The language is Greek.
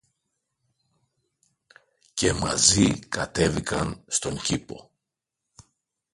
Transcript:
Και μαζί κατέβηκαν στον κήπο.